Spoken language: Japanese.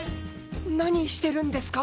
何してるんですか？